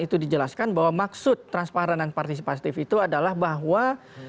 itu dijelaskan bahwa maksud transparan dan partisipatif itu adalah bahwa